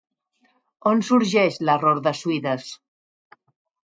On sorgeix l'error de Suides?